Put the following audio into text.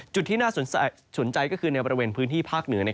จุดที่น่าสนใจก็คือในบริเวณพื้นที่ภาคเหนือ